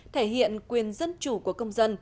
thể hiện quyền dân chủ của công dân